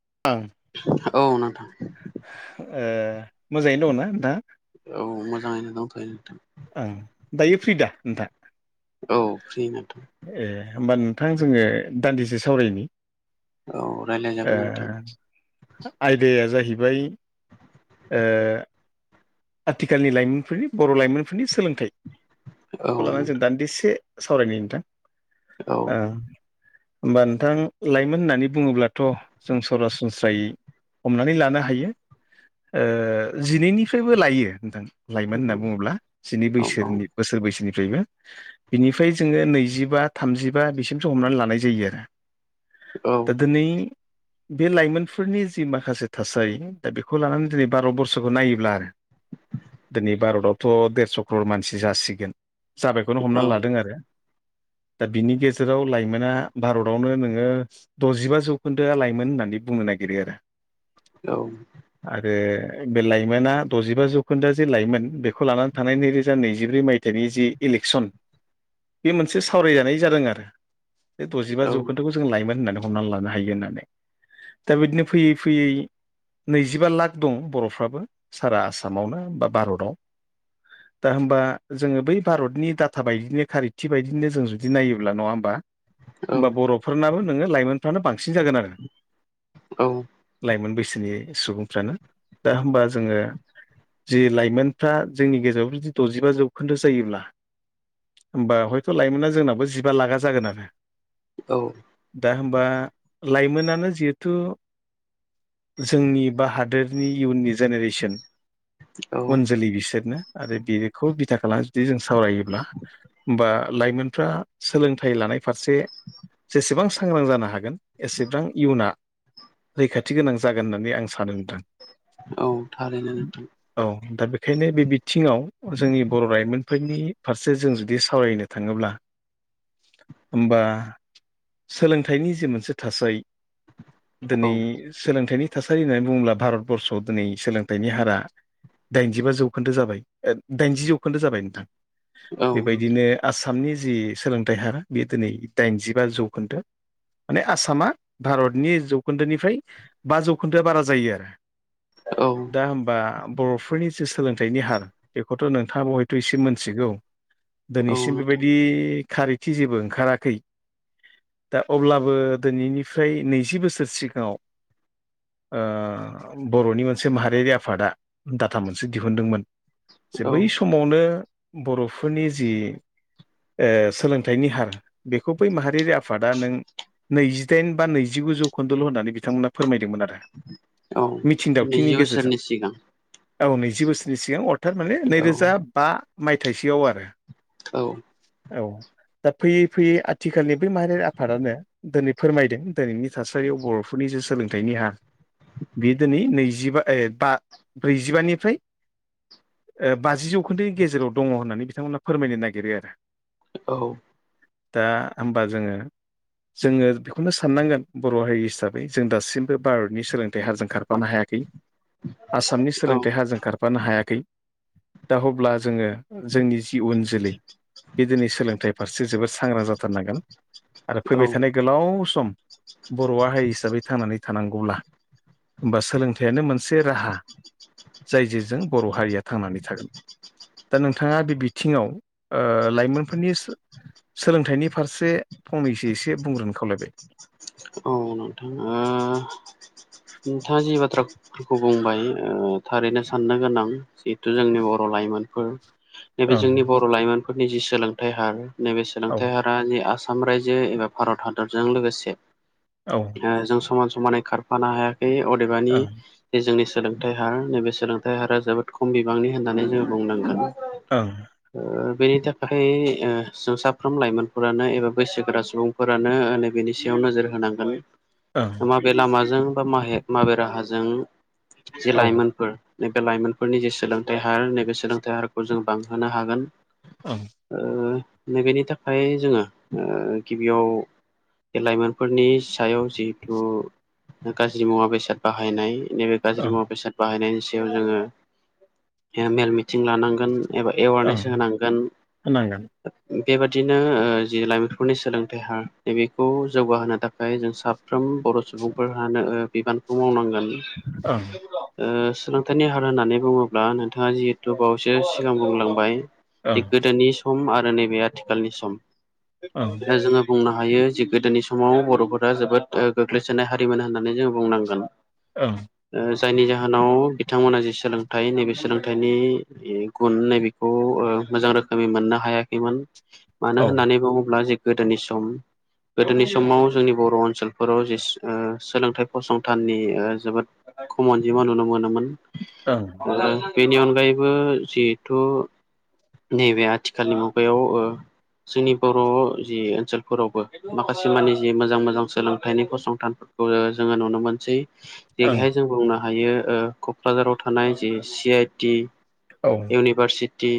[inaudible] औ नोंथां। ओह मोजाङैनो दङ'ना नोंथाङा? औ मोजाङैनो दंथ'यो नोंथां ओं दायो फ्रिदा नोंथां? औ फ्रि नोंथां ए होमबा नोंथां जोङो दान्दिसे सावरायनि। औ रायलायजागोन नोंथां ओह आयदाया जाहैबाय ओह आथिखालनि लाइमोनफोरनि बर' लाइमोनफोरनि सोलोंथाइ औ बेखौ लानानै जों नोंथां दान्दिसे सावरायनि नोंथां। औ। ओ होमबा नोंथां लाइमोन होननानै बुङोब्लाथ' जों सरासनस्रायै हमनानै लानो हायो ओह जिनैनिफ फ्रायबो लायो नोंथां लाइमोन होनना बुङोब्ला जिनै औ बैसोनि बोसोर बैसोनि फ्रायनो बिनिफ्राय जोङो नैजिबा थामजिबा बिसिमसो हमनानै लानाय जायो आरो। औ दा दोनै बे लाइमोनफोरनि जि माखासे थासारि दा बेखौ लानानै दिनै बार' बसरखौ नायोब्ला आरो। दिनै भारतआवथ' देरस' कर्रर मानसि जासिगोन। जाबायखौनो औ हमनानै लादों आरो। दा बिनि गेजेराव लाइमोना भारतावनो नोङो द'जिबा जौखोन्दोआ लाइमोन होननानै बुङो। नागिरो आरो, आरो बे लाइमोना द'जिबा जौखोन्दो जे लाइमोन बेखौ लानानै थानाय नैरोजा नैजिब्रै मायथाइनि जि इलेक्सन बे मोनसे सावरायजानाय जादों आरो बे द'जिबा जौखोन्दोखौ जों लाायमोन होननानै हमनानै लानो हायो होननानै। दा बिदिनो फैयै फैयै नैजिबा लाख दं बर'फ्राबो। सारा आसामावनो बा भारताव। दा होमबा जोङो बै भारतनि डाटा बायदिनो खारथि बायदिनो जों जुदि नायोब्ला नङा होमबा? होनबा बर'फोरनाबो नोङो लाइमोन फ्रानो बांसिन जागोन आरो लाइमोन बैस सोनि सुबुंफ्रानो दा होमबा जोङो जि लाइमोनफ्रा जोंनि गेजेराव जुदि द'जिबा जौखोन्दो जायोब्ला होमबा हयथ' लाइमोना जोंनाबो जिबा लाखा जागोन आरो। औ। दा हबा लाइमोनानो जिहेथु जोंनि बा हादोरनि इयुननि जेनेरेसन औ उन जोलै बिसोरनो आरो बेखौ बिथा खालामना जुदि जों सावरायोब्ला बा लाइमोनफ्रा सोलोंथाइ लानाय फारसे जेसेबां सांग्रां जानो हागोन। एसेबां इयुना रैखाथि गोनां जागोन होननानै आं सानो नोथां। औ थारैनो नोंथां। दा बेखायनो बे बिथिङाव जोंनि बर' लाइमोन फोरनि फारसे जों जुदि सावरायनो थाङोब्ला। होमबा सोलोंथाइनि जे मोनसे थासारि औ दिनै सोलोंथाइनि थासारि होननानै बुङोब्ला भारतबर्सआव दिनै सोलोंथाइनि हारा दाइनजिबा जौखोन्दो जाबाय दाइनजि जौखोन्दो जाबाय नोंथां। औ बेबायदिनो आसाम नि जि सोलोंथाइ हारा बेयो दिनै दाइनजिबा जौखोन्दो। माने आसामा भारतनि जौखोन्दोनिफ्राय बा जौखोन्दोआ बारा जायो आरो। दा होमबा बर'फोरनि एसे सोलोंथाइनि हार बेखौथ' नोंथाङाबो हयथ' एसे मोनथिगौ। औ दिनैसिम नोंथां बेबायदि खारैथि जेबो ओंखाराखै। दा अब्लाबो दिनैनिफ्राय नैजि बोसोर सिगाङाव ओ बर'नि मोनसे माहारियारि आफादा डाटा मोनसे दिहुनदोंमोन जे औ बै समावनो बर'फोरनि जि ओ सोलोंथाइनि हार बेखौ बै माहारियारि आफादा नों नैजिदाइन बा नैजिगु जौखोन्दल' होननानै बिथांमोना फोरमायदोंमोन आरो औ नैजि मिथिंदावथिनि गेजेरजों बोसोरनि सिगां औ नैजि बोसोरनि सिगां अर्थात माने औ नैरोजा बा मायथाइसोआव आरो। औ औ दा फैयै फैयै आथिखालनि बै माहारि आफादानो दिनै फोरमायदों दिनैनि थासारियाव बर'फोरनि ज सोलोंथाइ ह बे दिनै नैजिबा ब्रैजिबानिफ्राय ओ बाजि जौखोन्दोनि गेजेराव दङ होननानै बिथांमोनहा फोरमायनो नागिरो आरो। औ। दा होमबा जोङो जोङो बेखौनो साननांगोन बर' हारि हिसाबै जों दासिमबो भारतनि सोलोंथाइ हारजों खारफानो हायाखै। आसामनि सोलोंथाइ नोंथां हाजों खारफानो हायाखै दा अब्ला जोङो जोंनि जि उन जोलै बे दिनै सोलोंथाइ फारसे जोबोद सांग्रां जाथारनांगोन। आरो फैबाय थानाय गोलाव सम बर'आ हारि हिसाबै थांनानै थानांगौब्ला होनबा सोलोंथाइयानो मोनसे राहा। जाय जेजों बर' हारिया थांनानै थागोन‌। दा नोंथाङा बे बिथिङाव लाइमोनफोरनि सोलोंथाइनि फारसे फंनैसो एसे बुंग्रोन खावलायबाय औ नोंथां। नोंथाङा जि बाथ्राफोरखौ बुंबाय। ओ थारैनो साननो गोनां जिहेथु जोंनि बर' लाइमोनफोर नैबे ओं जोंनि बर' लाइमोनफोर फोरनि जि सोलोंथाइ हार नैबे औ सोलोंथाइ हारा जि आसाम रायजो एबा भारत हादरजों लोगोसे औ ओं जों समान समानै खारफानो हायाखै। बे अदेबानि जोंनि सोलोंथाइ हार नैबे सोलोंथाइ हारा जोबोद खम बिबांनि होननानै जोङो बुंनांगोन। ओं [inaudible] ओ। बेनि थाखाय ओ जों साफ्रोम लाइमोनफोरानो एबा बैसोगोरा सुबुंफोरानो नैबेनि सायाव नोजोर। होनांगोन ओं माबे लामाजों बा मा -माबे राहाजों। जे औ ओं लाइमोनफोर। नैबे लाइमोनफोरनि जि सोलोंथाइ हार नैबे सोलोंथाइ हारखौ जों बांहोनो हागोन। ओं। नै बेेनि थाखाय जोङो ओ गिबियाव लाइमोनफोरनि। सायाव जिहेतु गाज्रि मुवा बेसाद बाहायनाय नैबे गाज्रि ओं मुवा बेसाद बाहायनायनि। सायाव जोङो मेल, मिटिं लानांगोन।। एबा ओं एवारनेस होनांगोन। होनांगोन बेबादिनो ओ जि लाइमोनफोरनि सोलोंथाइ हार नैबेखौ। जौगाहोनो थाखाय जों साफ्रोम बर' सुबुंफोरानो बिबानखौ मावनांगोन। ओं ओ। सोलोंथाइनि हार होननानै बुङोब्ला नोंथाङा जिहेथु बावैसो सिगां बुंलांबाय। ओं गोदोनि सम आरो नैबे आथिखालनि सम ओं जोङो बुंनो हागोन। हायो जि गोदोनि समाव बर'फोरा जोबोद गोग्लैसोनाय हारिमोन होननानै जोंङो बुंनांगोन। ओं। ओ जायनि जाहोनाव बिथांमोनहा जि सोलोंथाइ नैबे सोलोंथाइनि गुन नैबेखौ ओ। मोजां रोखोमै मोननो हायाखैमोन। मानो औ ओं होननानै बुङोब्ला जे गोदोनि सम गोदोनि। समाव जोंनि बर' ओनसोलफोराव जि ओ सोलोंथाइ फसंथाननि ओ जोबोद खममोन। नुनो मोनोमोन ओं ओ बेनि अनगायैबो जिहेथु। नैबे आथिखालनि मुगायाव ओ जोंनि बर' जि ओनसोलफोरावबो माखासे। माखासेमानि जे मोजां-मोजां सोलोंथाइनि फसंथानफोरखौ जोङो नुनो मोनसै। औ जेरैहाय जों बुंनो हायो ओ क'क्राझाराव थानाय जि सि-आइ-टि। ओं इउनिभारसिटि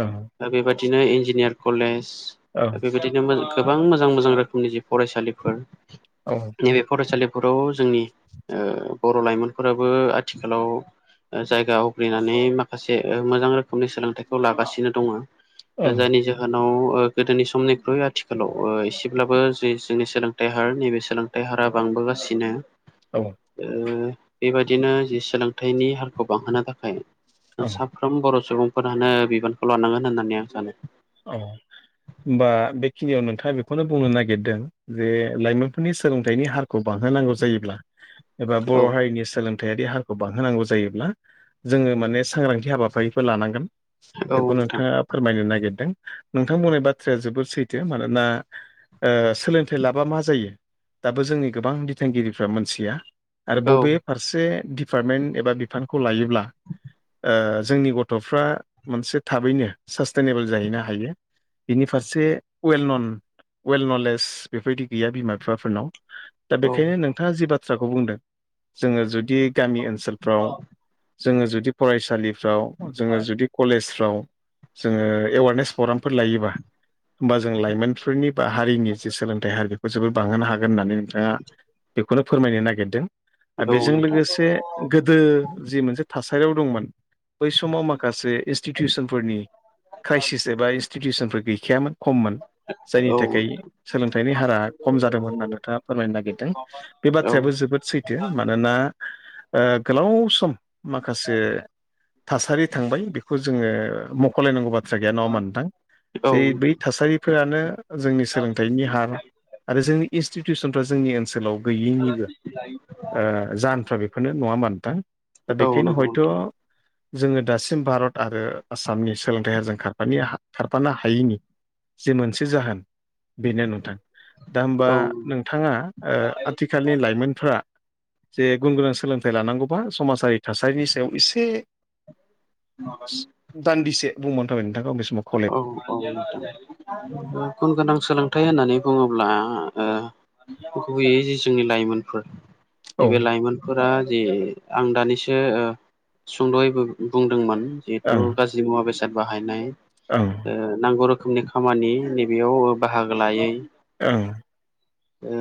ओं बेबादिनो इन्जिनियार कलेज। दा बेबायदिनो गोबां मोजां-मोजां रोखोमनि जि फरायसालिफोर। औ ओं नैबे फरायसालिफोराव जोंनि ओ। बर' लाइमोनफोराबो आथिखालाव। जायगा आवग्रिनानै माखासे मोजां रोखोमनि सोलोंथाइखौ लागासिनो दङो। जायनि जाहोनाव गोदोनि समनिख्रुइ आथिखालाव। एसेब्लाबो जे जोंनि सोलोंथाइ हार नैबे सोलोंथाइ हारा बांबोगासिनो। औ ओ बेबादिनो जि सोलोंथाइनि हारखौ बांहोनो थाखाय। ओं साफ्रोम बर' सुबुंफोरानो बिबानखौ लानांगोन होननानै आं सानो। औ। बा बेखिनियाव नोंथाङा बेखौनो बुंनो नागिरदों जे लाइमोनफोरनि सोलोंथाइनि हारखौ बां। बाहोनांगौ जायोब्ला एबा औ बर' हारिनि सोलों। थायारि हाखौ बांहोनांगौ जायोब्ला जोङो माने सांग्रांथि हाबाफारिफोर लानांगोन। औ बेखौ नोंथां नोंथाङा फोरमायनो नागिरदों। नोंथां बुंनाय बाथ्राया जोबोद सैथो मानोना ओ सोलोंथाइ लाबा मा जायो? दाबो जोंनि गोबां बिथोनगिरिफ्रा मोनथिया। आरो औ बबे फारसे दिपार्टमेन्ट एबा बिफानखौ लायोब्ला ओ। जोंनि गथ'फ्रा मोनसे थाबैनो सास्टेनेबोल जाहैनो हाग। बिनि फारसे वेल नन। वेल नलेज बेफोरबायदि गैया बिमा बिफाफोरनाव। दा औ बेखायनो नोंथाङा जि बाथ्राखौ बुंदों जोङो जुद। दि गामि ओनसोलफ्राव जोङो जुदि फरायसालिफ्राव जोङो जुदि कलेज। फ्राव जोङो एवारनेस प्रग्रामफोर लायोबा। होमबा जों लाइमोनफोरनि बा हारिनि जि सोलोंथाइ हार बेखौ जोबोर बांहोनो हागोन होननानै। आ बेखौनो फोरमायनो नागिरदों औ बेजों नोंथां औ लोगोसे गोदो जि मोनसे थासारियाव दंमोन बै समाव माखासे इनस्टिटिउसनफोरनि क्राइसिस एबा इनस्टिटिउसनफोर गैखायामोन खममोन औ जायनि थाखाय सोलोंथाइनि हारा खम जादोंमोन होनना नोंथाङा फोरमायनो नागिरदों बे औ बाथ्रायाबो जोब जोबोद सैथो मानोना ओ गोलाव सम माखासे थासारि थांबाय बेखौ खौ जोङो मख'लायनांगौ बाथ्रा गैया नङा होमबा नोंथां जे बै नोंथां थासारिफोरानो जोंनि सोलोंथाइनि हार आरो जोंनि इन्स्टिटिउसनफ्रा जोंनि ओनसोलाव गैयैनिबो ओ जाहोनफ्रा बेफोरनो नङा होमबा नोथां दा औ बेखायनो नंगौ हयथ' नोंथां जोङो दासिम भारत आरो आसामनि सोलोंथाइ हारजों खार खारफानो हायैनि जे मोनसे जाहोन बेनो नोंथां दा होमबा औ नोंथाङा ओ आथिखालनि लाइमोनफोरा जे गुन गोनां सोलोंथाइ लानांगौबा समाजारि थासारिनि सायाव एसे दान्दिसे बुंबावनो थाबाय नोंथांखौ आं बे समाव औ खावलायबाय औ गुन गोनां सोलोंथाइ होननानै बुङोब्ला गुबैयै जे जोंनि लाइमोनफोर औ नैबे लाइमोनफोरा जि आं दानिसो ओ सुंद'यैबो बुंदोंमोन जिहेथु गाज्रि मुवा बेसाद ाद बाहायनाय ओं नांगौ रोखोमनि खामानि नैबेयाव बाहागो लायै ओं ओ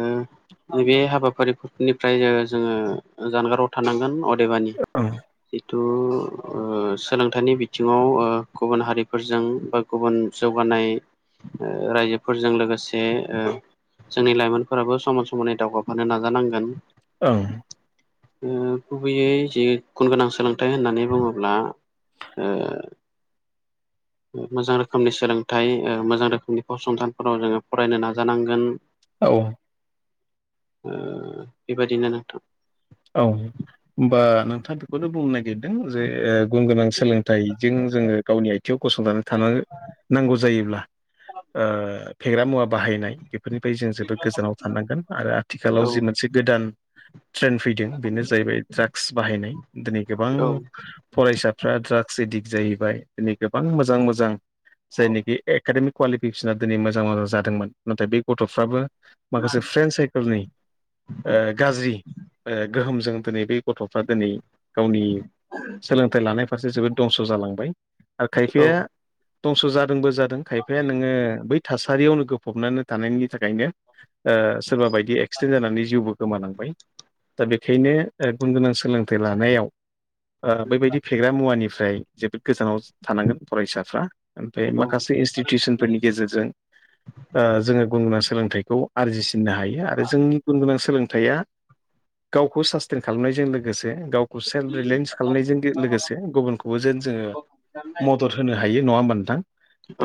नैबे हाबाफारिफोरनिफ्राय जोङो जानगाराव थानांगोन ओं जितु ओ सोलोंथाइनि बिथिङाव गुबुन हारि फोरजों बा गुबुन जौगानाय ओ रायजोफोरजों लोगोसे ओ जोंनि लाइमोनफोराबो समान समानै दावगाफानो नाजानांगोन ओं गुबैयै जि गुन गोनां सोलोंथाइ होननानै बुङोब्ला ओ मोजां रोखोमनि सोलोंथाइ ओ मोजां रोखोमनि फसंथानफोराव जोङो फरायनो नाजानांगोन औ ओ बेबायदिनो नोंथां औ होमबा नोंथाङा बेखौनो बुंनो नागिरदों जे गुन गोनां सोलोंथाइजों जोङो गावनि आथिङाव गसंनानै थानो नांगौ जायोब्ला ओ फेग्रा मुवा बाहायनाय बेफोरनिफ्राय जों जोबोद गोजानाव थानांगोन आरो आथिखालाव औ जि मोनसे गोदान ट्रेन्ड फैदों बेनो जाहैबाय द्राग्स बाहायनाय दिनै गोबां औ फरायसाफ्रा ड्राग्स एदिक्ट जाहैबाय दिनै गोबां मोजां मोजां जायनोखि एकाडेमिक कुवालिफिकेसना दिनै मोजां मोजां जादोंमोन नाथाय बे गथ'फ्राबो माखासे फ्रेन्ड साइकोलनि गाज्रि गोहोमजों दिनै बे गथ'फ्रा दिनै गावनि सोलोंथाइ लानाय फारसे जोबोद दंस' जालांबाय आरो खायफाया औ दंस' जादोंबो जादों खायफाया नोङो बै थासारियावनो गो फबनानै थानायनि थाखायनो सोरबा बायदि एक्सिडेन्ट जानानै जिउबो गोमानांबाय दा बेखायनो गुन गोनां सोलोंथाइ लानायाव बैबायदि फेग्रा मुवानि ओमफ्राय जोबोद गोजानाव थानांगोन फरायसाफ्रा ओमफ्राय औ माखासे इनस्टिटिउसनफोरनि गेजेरजों जोङो बुंनो स सोलोंथाइखौ आरजिसिननो हायो आरो जोंनि गुन गोनां सोलोंथाइया गावखौ सास्टेन खालामनायजों लोगोसे गावखौ सेल्फ रिलायन्स खालामनायजों लोगोसे गुबुनखौबो जेन जोङो मदद होनो हायो नङा होम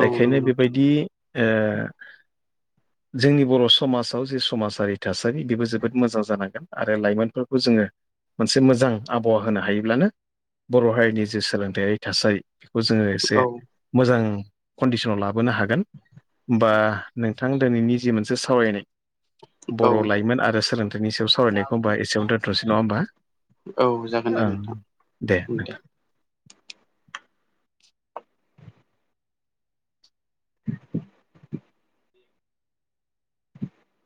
औ नंगौ नोंथां बेबायदि जोंनि बर' समाजाव जि समाजारि थासारि बेबो जोबोद मोजां जानांगोन आरो लाइमोनफोरखौ जोङो मोनसे मोजां आबहावा होनो हायोब्लानो बर' हारिनि जे सोलोंथायाइारि थासारि बेखौ जोङो एसे औ मोजां कन्डिसनाव लाबोनो हागोन होमबा नों बिथां दिनैनि जि मोनसे सावरायनाय बर' औ लाइमोन आरो सोलोंथाइनि सायाव सावरायनायखौ एखमबा एसेयाव दोन्थ'नोसै नङा होमबा औ जागोन दे ओ नोंथां दे नोंथां [inaudible] [inaudible]